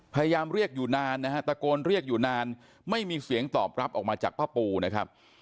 พยายามเรียกอยู่นานนะฮะตะโกนเรียกอยู่นานไม่มีเสียงตอบรับออกมาจากป้าปูนะครับ